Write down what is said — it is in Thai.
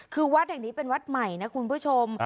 คือวัดแห่งนี้เป็นวัดใหม่นะคุณผู้ชม